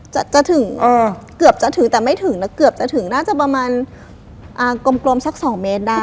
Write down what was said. จะจะถึงเกือบจะถึงแต่ไม่ถึงนะเกือบจะถึงน่าจะประมาณอ่ากลมสักสองเมตรได้